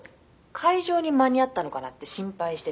「会場に間に合ったのかなって心配してて」